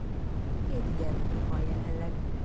Két gyermekük van jelenleg.